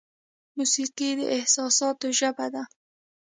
موسیقي د احساساتو ژبه ده.